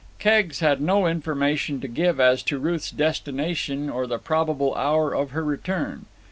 Keggs had no information to give as to Ruth's destination or the probable hour of her return.